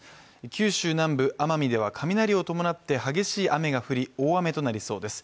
九州南部・奄美では雷を伴って激しい雨が降り、大雨となりそうです。